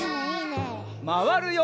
まわるよ。